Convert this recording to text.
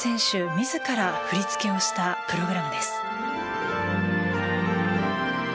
自ら振り付けをしたプログラムです。